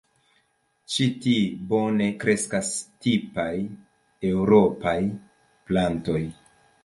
Ĉi ti bone kreskas tipaj eŭropaj plantoj.